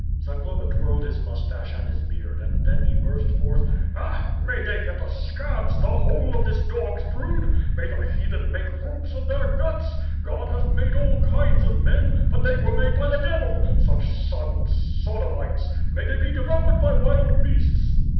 Zagloba twirled his moustache and his beard and then he burst forth: "Ah! May they get the scabs, the whole of this dog's brood. May the heathen make ropes of their guts! God has made all kinds of men, but they were made by the devil — such sons, Sodomites. May they be devoured by wild beasts."